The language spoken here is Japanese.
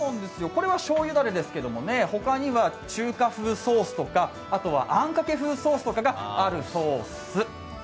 これはしょうゆだれですけれども、他には中華風ソースとかあとはあんかけ風ソースがあるソース。